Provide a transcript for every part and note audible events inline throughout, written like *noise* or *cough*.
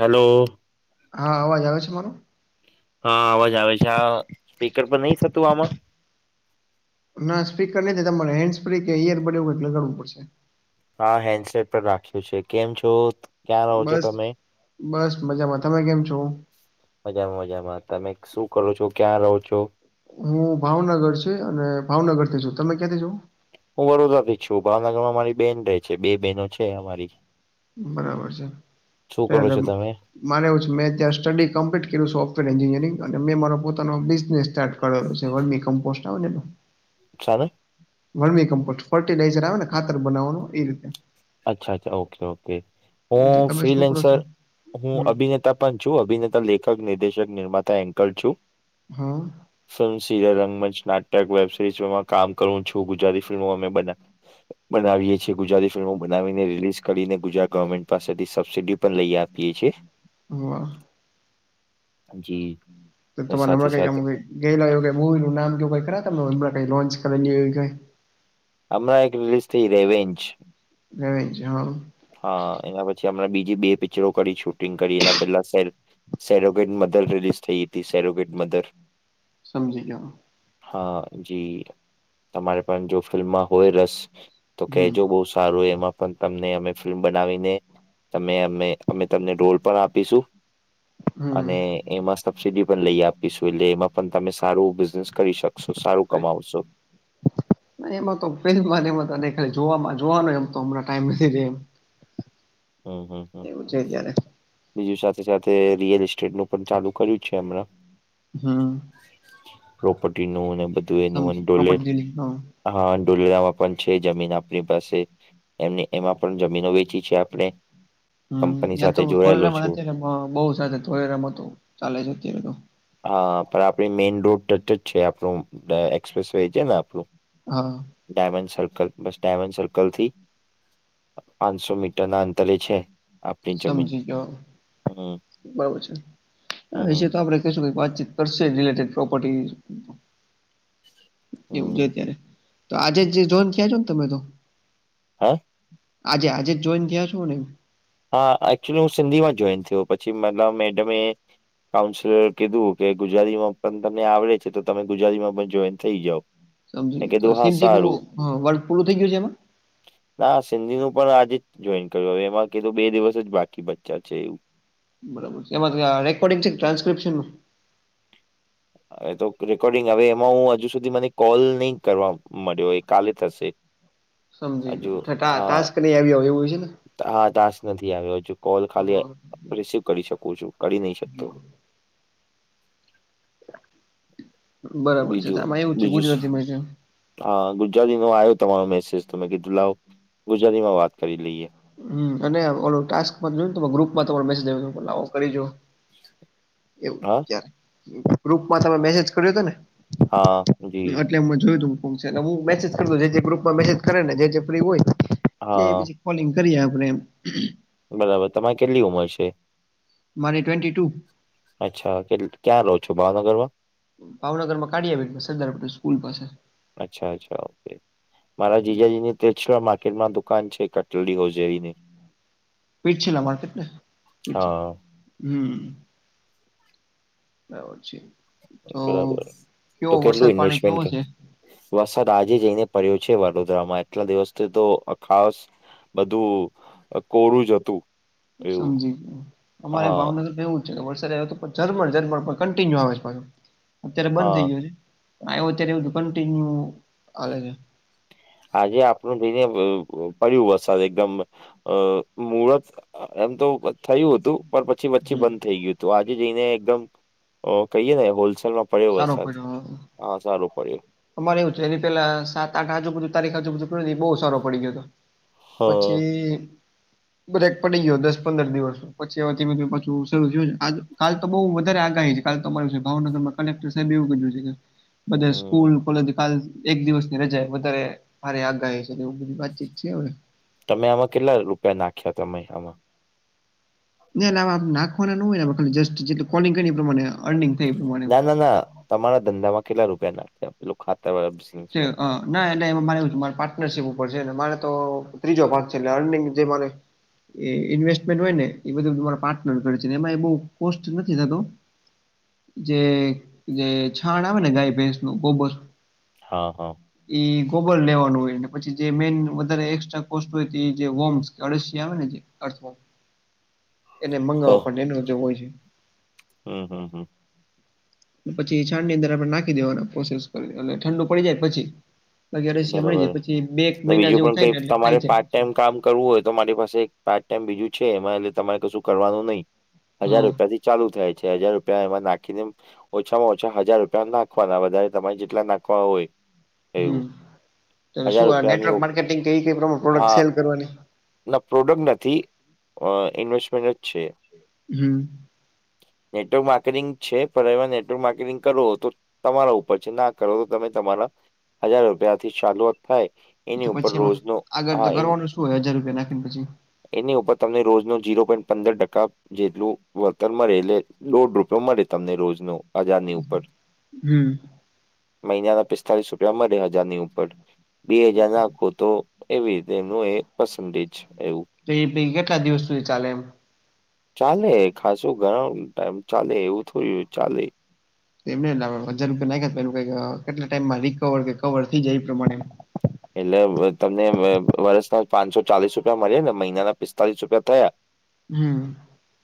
Hello હા અવાજ આવે છે મારો. હા અવાજ આવે છે આ સ્પીકર પણ નહી થતું આમાં? ના સ્પીકર નથી તમારે હન્ડ સ્પ્રી કે ઈયર બડ એવું એટલે કરવું પડશે. હા હેન્ડસેટ પર રાખ્યું છે કેમ છો. ક્યાં રહો છો બસ તમે બસ મજામા તમે કેમ છો. મજામાં મજામાં તમે શું કરો છો ક્યાં રહો છો? હું ભાવનગર છે અને ભાવનગરથી છું તમે ક્યાંથી છો? હું વડોદરાથી છું ભાવનગર માં મારી બેન રૈ છે બે બેહેનો છે અમારી. બરાબર છે, શું તો કરો એટલે છો તમે મારે એવુ છેમે, ત્યા સ્ટડી કમ્પ્લીટ કર્યુ સોફ્ટવેર એન્જિનિયરિંગ અને મે મારો પોતાનો બિઝનેસ ટક છે એ મ કમપોસ્ટ *unintelligible* તારે. વર્મી કમ્પર્ટ ફર્ટિલાઈઝર આવે ને ખાતર બનાવવાનું એ રીતે. અચ્છા, અચ્છા, ઓકે, ઓકે, જે હું તમે શું કરો ફ્રીલેન્સર છો હું હમ અભિ હને. પણ છું, અભિનેતા, લેખક, નિર્દેશક, નિર્માતા, એન્કલ છું. હા. ફિલ્મ સિરિયલ, રંગમંચ, નાટક, વેબ સિરીઝ માં કામ કરું છું, ગુજરાતી ફિલ્મો અમે બના બનાવીએ છીએ, ગુજરાતી ફિ ફિલ્મો બનાવીને રિલીઝ કરીને, ગુજરાત ગવર્મેન્ટ પાસેથી સબસિડી પણ લઈ આપીએ છીએ. વાહ! જી તે ને તમા મરે સાથે હમણાં કઈ, સાથે આમ કઈ. ગયેલા એવું કઈ મુવી નું નામ કે એવું કાઈ ખરા તા હમણા કઈ લોન્ચ કરેલી હોય એવી કાઈ? હમણાં એક રિલીઝ થઇ, રેવેન્ચ. રેવેન્ચ હ, હ. હા, એના પછી હમણાં બીજી બે પિક્ચરો કરી, શૂટિંગ કરી, એના પેલા સેલ્ફ. સેલોગેટ મધર રિલીઝ થઈ હતી સેલોગેટ મધર સમજી ગયો હા જી તમારે પણ જો ફિલ્મમાં હોય રસ તો હમ. કેજો બહુ સારું એમાં પણ તમને અમે ફિલ્મ બનાવીને તમે અમે અમે તમને રોલ પણ આપીશું. હમ. અને એમાં સબસીડી પણ લઈ આપીશું એટલે એમાં પણ તમે સારું બિઝનેસ કરી શકો. સારું કમાવશો એમાં તો પેલી વાર એમાં ત ખા જોવા જોવા નો તો હમણાં ટાઈમ નથી એમ હમ્મ હમ્મ હમ્મ એવું છે ત્યારે બીજું સાથે સાથે રિયલ એસ્ટેટનું પણ ચાલુ કર્યું છે હમણાં હા. પ્રોપર્ટીનું અને બધું એનું સમજી પ્રોપર્ટી અંડોલેટ ડીલિંગ હા. હા ડોલેરામાં પણ છે જમીન આપની પાસે એમ એમાં પણ જમીનો વેચી છે. આપડે હમ્મ ન્યા તો ધોલેરામાં અત્યારે બઉ ચાલે ધોલેરામાં તો ચાલે છે અત્યારે તો હા પણ આપણી મેઈન રોડ ટચ જ છે આપણું એક્સપ્રેસ વે છે ને આપણું હા ડાયમંડ સર્કલ બસ ડાયમંડ સર્કલ થી પાંચસો મીટર ના અંતરે છે આપણી જમીન સમજી ગયો. હમ બરોબર છે આ વિશે હમ તો આપણે કશું વાતચીત કરશે રિલેટેડ પ્રોપર્ટી એવું હમ છે ત્યારે તો આજે જોઈન થયા છો ને તમે તો હા આજે આજે જ જોઈન થયા છો ને હા એકચયુલી હું સિંધી માં જોઈન થયો પછી મેડમે કાઉન્સેલર કીધું કે ગુજરાતીમાં પણ તમને આવડે છે તો તમે ગુજરાતીમાં પણ જોઈન થઈ જાવ સમજી મેં ગય તો કીધું હા સિંધી નું સારું વર્ગ પૂરું થઈ ગયું છે એમાં ના સિંધી નું પણ આજે જ જોઈન કર્યું હવે એમાં કિધુ બે દિવસ જ બાકી બચ્યા છે એવું બરાબર છે એમાં રેકોર્ડિંગ છે કે ટ્રાન્સ્ક્રિપ્શનનું હ તો રેકોર્ડિંગ હવે એમાં હું હજુ સુધી મને કોલ નહી કરવા મળ્યો એ કાલે થશે સમજી ગયો હા ટાસ્ક નહી આવ્યો હોય છે ને હા ટાસ્ક નથી આવ્યો હજુ કોલ ખાલી હા. રિસીવ કરી શકું છું કરી નહી શકતો. બરાબર છે બીજું આમાં એવું છે બીજું ગુજરાતીમાં છે. હા ગુજરાતી નો આવ્યો તમારો મેસેજ તો મે કીધું લાવ ગુજરાતીમાં વાત કરી લઈએ. હમ અને ઓ ટાસ્ક જોયને ગ્રુપમાં મેજ આવ કરીજો એવું હા ત્યારે ગ્રુપમાં તમે મેસેજ કર્યો હતો ને? હા જી એટલે મે જોયું તું હ મેજ કર જે ગ્રુપમાં મેજ કરેને જે ફ્રી હોય હા પછી કોલિંગ કરીએ આપણે એમ બરાબર તમારે કેટલી ઉંમર છે? મારી ટ્વેન્ટી ટુ અચ્છા કેટ ક્યાં રહો છો ભાવનગર માં ભાવનગર માં કાળિયા ભેટમાં સરદાર પટેલ સ્કૂલ પાસે અચ્છા અચ્છા ઓકે મારા જીજાજી ની તે માર્કેટમાં દુકાન છે કટલેરી હોજીયરીની પીટ છેર્કેટ પી હા *unintelligible* હમ બરાબર છે. તો બરાબર કેવો તો વરસાદ કેટલું પાણી ઇન્વેસ્ટમેન્ટ કેવો કર છે વરસાદ આજે જઈને પડ્યો છે વડોદરામાં એટલા દિવસથી તો ખાસ બધું કોરું જ હતું. એવું સમજી અમારે હા ભાવનગર એવુ, વરસાદ આવ્યો તો પણમણ ઝમણ *unintelligible* પણ કન્ટિન્યુ આવે છે પાછ અત્યારે બંધ હા થઈ ગયો છે. આવ અત્યારે એવધું કિન્યુ *unintelligible* આવેલે છે આજે આપણું જઈને પડ્યું વસાત એકદમ *inaudible* *unintelligible* અ મુરત એમ તો થયું હતું. પછી હમ પછીબંધ થઈ ગયું હતું આજે જઈને એકદમ કહીએ ને હોલસેલમાં, પડ્યો સારો વરસાદ પડ્યો હા સારું પડ્યું. અમારે એવું છે એ પેલા સાત આઠ આજુ બુધુ તારીખ આજુ બધું કેું ન બહુ સારો પડી ગયો હતો. હા પછી બ્રેક પડી ગયો દસ પંદર દિવસ, પછી હવે પાછું શરૂ થયું કાલ તો બઉુ વધારે આગાહી છે. કાલ તમારી વિ ભાવનગર માં, કલેક્ટર સાહેબ એવું કીધું છે, કે બધા સ્કૂલ હમ કોલેજ, એક દિવસની રજા વધારે માારે આ ગાય છે એવું બધી વાતચીત છે હવે, તમે આમાં કેટલા રૂપિયા નાખ્યા તમે આમાં, એટલે નાખવાના ન હોય ખા જસ્ટ જેટ કોલિંગ કરી એ પ્રમાણે, અર્નિંગ થઈ એ પ્રમાણે ના ના ના તમારા ધંધામાં કેટલા રૂપિયા નાખ્યા પેલું ખાતામાં, તે હ ના નામાં મારેવ મા પાર્ટનરશીપ ઉપર છે. મારે તો ત્રીજો ભાગ છે એટ અર્નિંગ જે મારે, એ ઇન્વેસ્ટમેન્ટ હોય ને એ બધું તમારા પાર્ટનર કરે છેને એમાં બહુ કોસ્ટ નથી થતો. જે જે છાણ આવે ને ગાય ભેંસ નું બબોર, હા હા. એ ગોબર લેવાનું હોય પછી, જે મેન વધારે એક્સ્ટ્રા કોસ્ટ હોય, એ જે વમ્સ કે અળસીયા આવે ને જે અથવા એને મંગાવવા પડ એનો જો હોય છે. હમ્મ હમ્મ હા. પછી છાડ ની અંદર આપણે નાખી દેવાના પ્રોસેસ કરીટ ઠંડુ પડી જાય પછી. વગરે શમણી બરાબર જાય એટલે પછી બે એક મહિના બીજું જેવું પણ થાય કઈ ને એટલે તમારે થાય પાર્ટ જાય. ટાઈમ કામ કરવું હોય તો મારી પાસે એક પાર્ટ ટાઈમ બીજું છે, એમાં એટલે તમારે કશું કરવાનું નહિ. હજાર હા રૂપિયા થી ચાલુ થાય છે, હજાર રૂપિયા એમાં નાખીને ઓછામાં ઓછા હજાર રૂપિયા નાખવાના વધારે તમારે જેટલા નાખવા હોય. હમ્મ એવું હજાર શું રૂપિયાની નેટવર્ક ઉપ માર્કેટિંગ કે કઈ પ્રમાણે પ્રોડક્ટ હા સેલ કરવાની? ના પ્રોડક્ટ નથી ઇન્વેસ્ટમેન્ટ જ છે. હમ્મ. નેટવર્ક માર્કેટિંગ છે પણ એમાં નેટવર્ક માર્કેટિંગ કરવું હતું. તમારા ઉપર છે ના કરો તો તમે તમારા હજાર રૂપિયા થી ચાલુઆત થાય. એની ઉપર પછી એમાં રોજનો આગળ હા તો એ કરવાનું શું હોય હજાર રૂપિયા નાખી ને પછી? એની ઉપર તમને રોજનો જીરો પોઈન્ટ પંદર ટકા જેટલું વર્તળ મળે એટલે દોઢ રૂપયો મળે તમને રોજ નુ હજારની ઉપર, હમ મહિનાના પિસ્તાલીસ રૂપિયા મળે હજારની ઉપર બે હજાર નાખો તો એવી રીતે એનું એ પરસેન્ટેજ એવું. તો એ કેટલા દિવસ સુધી ચાલે એમ? ચાલે ખાસું ઘણા ટાઈમ ચાલે એવું થયું ચાલે. એમ હજાર રૂપિયા નાખે કેટલા ટાઈમમાં રિકવર કે કવર થઈ જાય એ પ્રમાણે એટલે તમને વર્ષના પાંચસો ચાલીસ રૂપિયા મળે ને મહિના ના પિસ્તાલીસ રૂપિયા થયા. હમ્મ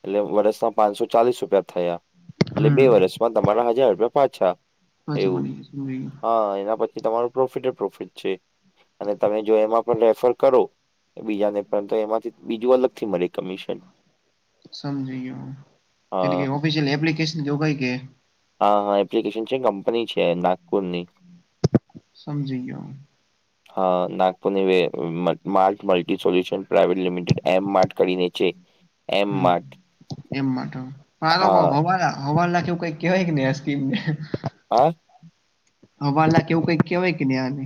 એટલે વર્ષમાં પાંચસો ચાલીસ રૂપિયા થયા હમ એટલે બે હમ વર્ષ તમારા હજાર રૂપિયા પાછા, અચ્છા એવું મને સમજી ગયો હા એના પછી તમાર પ્રોફિટ પ્રોફિટ છે, અને તમે જો એમાં પણ રેફર કરો બીજા ને પરંતુ એમાંથી બીજું અલગથી મળે કમિશન સમજી ગયો, એટલે હા કે ઓફિસયલ એપ્લિકેશન જોગાય કે હા હા એપ્લિકેશન છે કંપની છે, નાગપુર ની. સમજી ગ્યો. હા, નાગપુરની Way Mart Multi Solution Private Limited એમ માર્ટ કરીને છે. એમ હમ્મ માર્ટ એમ માર્ટ હ હા *unintelligible* હોવાના. હવા લાખ એવું કઈ કેહેવાય કે નને આ સ્કીમને. હા. હવાલા કે એવું કઈક કેહેવાય કે ને આને.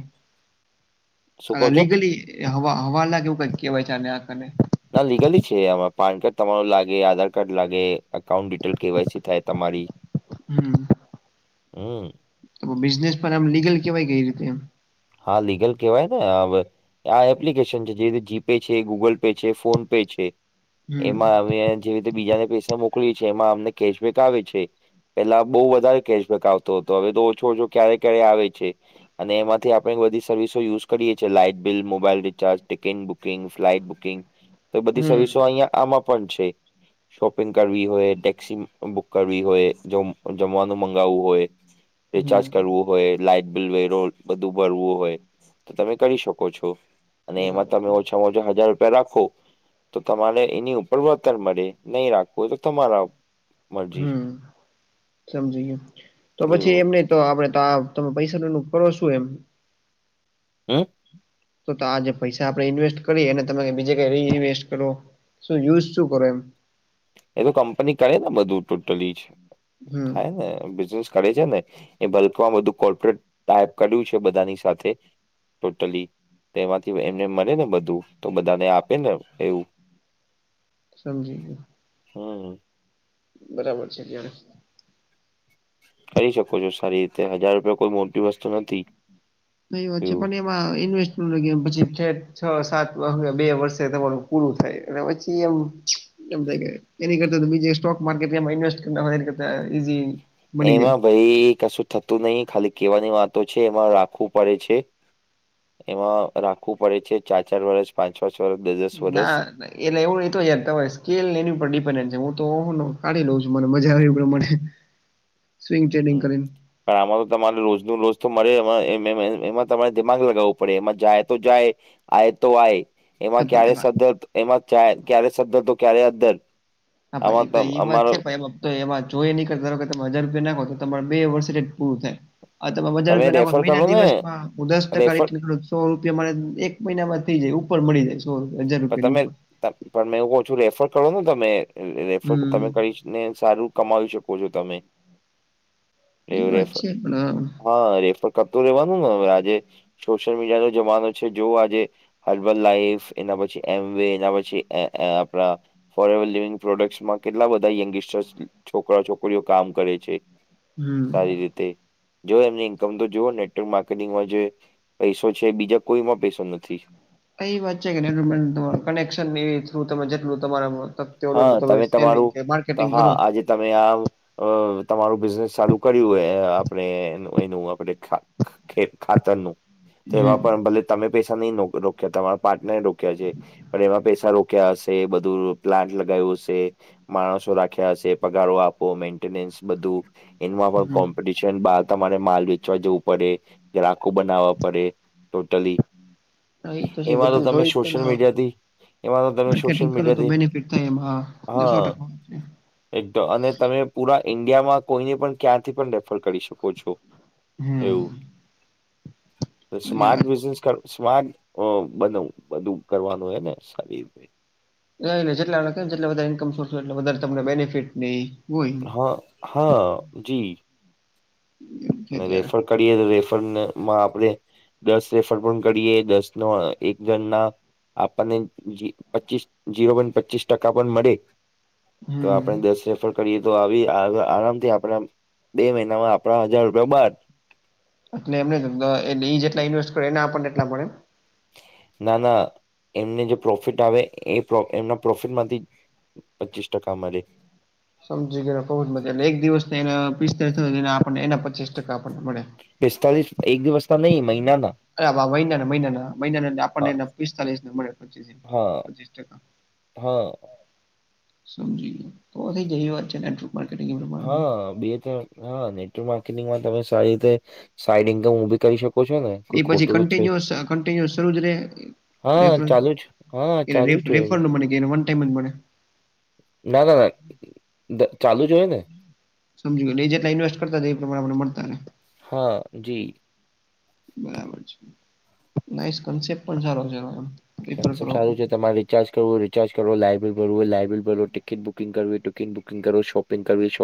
અ શું કહો છો લીગલી હવા હવા લાગ એવું કઇ કેવાય છે આને આક ને. ના લીગલી છે, આમાં પાન કાર્ડ તમારું લાગે આધાર કાર્ડ લાગે અકાઉન્ટ ડિટેલ કેવાય છે શાયદ થાય તમારી. હમ્મ હમ્મ તો બિઝનેસ પણ આમ લીગલ કેવાય કઈ રીતે એમ. હા, લીગલ કેવાય ને હવે. આ એપ્લિકેશન છે જે રીતે જીપે છે, ગુગલ પે છે, ફોન પે છે, હમ એમાં હવે. જેવી રીતે બીજાને પૈસા મોકલીયે છે એમાં અમને કેશબેક આવે છે. પેલા બઉ વધારે કેશબેક આવતો હતો હવે તો ઓછો-ઓછો ક્યારે-ક્યારે આવે છે, અને એમાં થી આપણે બધી સર્વિસો યુઝ કરીએ છે, light bill, mobile recharge, ticket booking, flight booking. *unintelligible* તો બધી સર્વિસો અહિયાં આમાં પણ છે. શોપિંગ કરવી હોય ટેક્સી મ બુક કરવી હોય જમ-જમવાનું મગાવવું હોય. રિચાર્જ હમ કરવું. હોય લાઈટ બિલ વેરો બધું ભરવું હોય તો તમે કરી શકો છો. અને એમાં બરાબર છે તમે ઓછામાં ઓછા હજાર રૂપિયા રાખો. તો તમારે એની ઉપર વળતર મળે નહીં રાખવું હોય તો તમારા ઉપ હમ! સમજી ગ્યો તો પછી એવું એમને તો આપડે તાવ તમે પૈસાનું *unintelligible* શું એમ. હમ! તો તો આ જે પૈસા આપણે ઇન્વેસ્ટ કરીયે એને તમે બીજે કઈ રી ઇન્વેસ્ટ કરો શું યુઝ શું કરો એમ? એ તો કંપની કરે ને બધું ટોટલી જ હમ થાય ને બિઝનેસ કરે છે ને. એ બલ્કમાં બધું કોર્પોરેટ ટાઈપ કર્યું છે બધાની સાથે. ટોટલી તેમાંથી એમને મળે ને બધું તો બધાને આપે ને એવું. સમજી ગ્યો. હમ. બરાબર છે જ્યારે. કરી શકો છો સારી રીતે હજાર રૂપિયા કોઈ મોટી વસ્તુ નથી. નહીં વચ્ચે એવું પણ એ એમાં ઇન્વેસ્ટ *unintelligible* પછી છે છ સાત *unintelligible* બે વર્ષે તમારું પૂરું થાય. એ *inaudible* વચી એમ. એમ થાય કે એની કરતા તો બીજે સ્ટોક માર્કેટ ત્યાં માં ઈન્વેસ્ટ કરના હોય એના કરતા ઈઝી. મળી જાય. એમાં ભઈ કશું થતું નહી ખાલી કેવાની વાતો છે એમાં રાખવું પડે છે. એમાં રાખવું પડે છે ચાર-ચાર વરસ પાંચ- પાંચ વર દ- દસ ના વરષ. એટલે એવું નઇ તો અડધા હોય સ્કિલ એની ઉપર ડિપેડન છે હું તો હું કાઢી લઉં છું મને મજા આવે એ પ્રમાણે. સ્વિંગ ચેડિંગ હમ કરીને. પણ આમાં તો તમારે રોજ નો રોજ તો મળે એમાં એમ-એમ એ એમાં તમારે દિમાગ લગાવવું પડે એમાં જાય તો જાય. આ એ તો આય હા એમાં પણ ક્યારે સ્ધર તો એમાં ત્યાંય ક્યારે સ્ધર તો ક્યારે અધ્ધર. હાં *unintelligible* તો એઈ વાત છેે પ એમાં તો એમાં જોઈ નીક ધારો કે તમે હજાર રૂપિયા નાખો તો તમાર બે વર્ષ ઠેઠ જ પૂરું થાય. હાં તમેં વધારે તમે રૂપિયા નાંખો રેફર મહિના કરો ને દિવસમાં હું દસ ટકા રેફર એટલું *unintelligible* સો રૂપિયા મળે એક મહિનામાં થઈ જાય ઉપર મળી જાય સો રૂપિયા હજાર રૂપિયાની ઉપર. તાર પણ મેં એવું ઓછું રેફર કરો ને તમે રેફર હમ તમે કરીશ ને સારું. કમાવી શકો છો તમે. એ રેફર અછી આપણા હા રેફર કરતું રેવાનું ને હવે આજે. સોશિયલ મીડિયાનો જમાનો છે જો આજે હર્બલ લાઈવ. એના પછી એમ વે એના પછી અઅ આપણા ફોર એવર લિવિંગ પ્રોડક્ટમાં કેટલા બધા યંગિસ્ટર્સ છોકરા છોકરીઓ કામ કરે છે. હમ સારી રીતે જો એમની ઈન્કમ તો જોવ નેટવર્ક માર્કેટિંગમાં જો પૈસો છે બીજા કોઈમાં પૈસો નથી એ વાત છે કે કનેક્શન થુ તમે જેટલું તમારા હા મા. તમે *inaudible* સેલિંગ તમારું કે તો માર્કેટિંગ હા કરું આજે તમે આમ. અ તમારું બિઝનેસ ચાલુ કર્યું હોય અ આપણે એનું આપણે ખે ખાતરનું તો હમ એમાં પણ ભલે તમે પૈસા નહી નો રોક્યા તમારા પાર્ટનરે રોક્યા છે પણ એમાં પૈસા રોક કયા હશે બધું પ્લાન્ટ લગાવું હશે માણસો રાખ્યા હશે પગારો આપ. પો મન્ટેનેશ બઘું એનમા પણ હમ કોપટિ છન બહાર તમારે માલ વેચવા જવું પડે ગ્રાહકો બનાવવા પડે. ટોટલી હા, એ છે એમાં તો બધું તમે જોઈ જ છે ને સોશિયલ હા મીડિયાથી એમાં તો તમે માર્કેટિંગ સોશિયલ કરો તો મીડિયાથી બેનિફિટ થાય એમાં સો હા ટકા વાત છે. એકદમ અને તમે પુરા ઈન્ડિયામાં કોઈને પણ ક્યાંથી પણ રેફર કરી શકો છો હમ. એવું તો એ સ્માર્ટ વાત છે. બિઝનેસ સ્માર્ટ બનવું બધું કરવાનું હે ને સારી રીતે કઈ ની જેટલાં ની જેટલા બધ્યે ઇનકમ સોર્સ હો્યે એલા બધા ને બેનિફિટ નિઇ હા હા જી એવું છે મે ત્યારે. રેફર કરીએ તો રેફરને મા આપડે દસ રેફર પણ કરીએ દસ નો એક જણના આપણને પચીસ જીરો પોઈન્ટ પચીસ ટકા પણ મળે તો હમ આપણે દસ રેફર કરીએ તો આવી આરામથી આપણા બે મહિનામાં આપણા હજાર *unintelligible* એટલે એમને જેટલા ઇન્વેસ્ટ કરે એના આપણને એટલા મળે ના ના એમને જે પ્રોફિટ આવે એ એમના પ્રોફિટ માંથી પચીસ ટકા મલે સમજી ગયો બોહ જ મ એ એક દિવસને એના પિસ્તાલીસ થયો એના આપને એના પચીસ ટકા આપણને મળે પિસ્તાલીસ એક દિવસ ના નહી મહિના ના અરે બા મહિનાના મહિનાના મહિના આપણને એ પિસ્તાલીસ મળે પચીસ હા પચીસ ટકા હા સમજી ગયો તો જ એવી વાત છે ને હા બે તો હા નેટવર્ક માર્કેટિંગમાં તમે સારી રીતે સાઈડ ઇનકમ ઉભી કરી શકો છો ને એ કોઈ પછી ખોટું છે કન્ટિન્યુઅસ કન્ટિન્યુસ શરુ જ રે હા રફરએન્સ ચાલુ જ હા એ ચાલુ જ હોય રેફર નું મને કે વન ટાઈમ જ મળને ના ના ના ચાલુ જ હોઈ ને સમજી ગયો એ જેટલા ઇન્વેસ્ટ કરતા રહે એ પ્રમાણે આપણે મળતા રહે હા જી બરાબરછે નાઇસ કન્સેપ્ટ પણ સારો છે રેફર કોનસપ્ત કરવો સારું છે તમારી ચાર્જ કરવું રિચાર્જ કરવું લાઈટ બિલ ભરવું લાઈટ બિલ ભરો ટિકિટ બુકિંગ કરવું ટિકિટ બુકિંગ કરો શોપિંગ કરવી શો